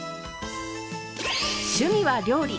趣味は料理。